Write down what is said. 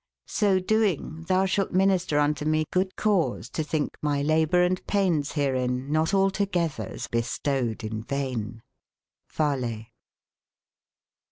So doynge tbou sbalt minister unto me good cause to tbinke my labour and paynes berein not altogetbers bestowed in vaine» Vale.